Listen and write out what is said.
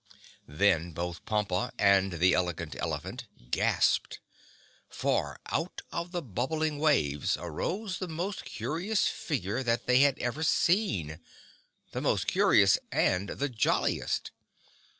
Then both Pompa and the Elegant Elephant gasped, for out of the bubbling waves arose the most curious figure that they had ever seen—the most curious and the jolliest.